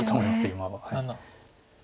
今は。